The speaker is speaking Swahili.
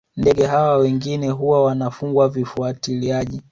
Ndege hawa wengine huwa wanafungwa vifuatiliaji